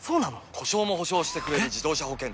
故障も補償してくれる自動車保険といえば？